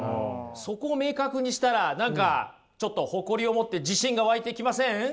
そこを明確にしたら何かちょっと誇りを持って自信が湧いてきません？